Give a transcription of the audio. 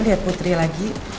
lihat putri lagi